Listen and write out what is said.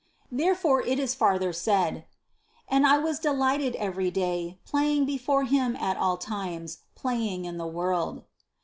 68. Therefore it is farther said : "And I was delighted every day, playing before him at all times, playing in the world."